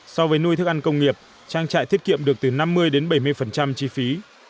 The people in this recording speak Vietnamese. so với nuôi thức ăn công nghiệp trang trại thiết kiệm được từ năm mươi đến bảy mươi chi phí